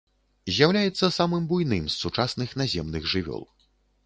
З'яўляецца самым буйным з сучасных наземных жывёл.